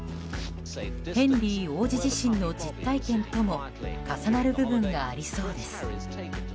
ヘンリー王子自身の実体験とも重なる部分がありそうです。